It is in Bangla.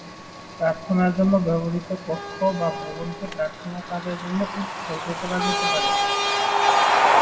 প্রার্থনার জন্য ব্যবহৃত কক্ষ বা ভবনকে প্রার্থনা কাজের জন্য উৎসর্গ করা যেতে পারে।